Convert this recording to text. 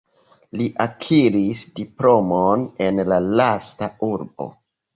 Li akiris diplomon en la lasta urbo.